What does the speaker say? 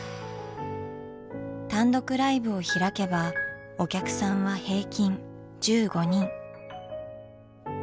単独ライブを開けばお客さんは平均１５人。